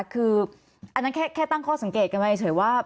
คืออันนั้นแค่ตั้งข้อสังเกตกันไปเฉยว่า